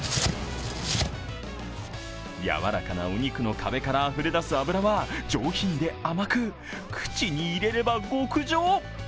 やわらかなお肉の壁からあふれ出す脂は上品で甘く口に入れれば極上。